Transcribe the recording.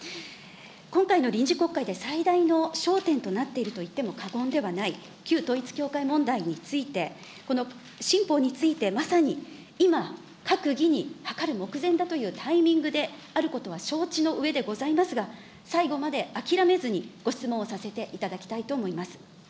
今回の臨時国会で最大の焦点となっていると言っても過言ではない、旧統一教会問題について、この新法について、まさに今、閣議に諮る目前だというタイミングであることは承知のうえでございますが、最後まで諦めずにご質問をさせていただきたいと思います。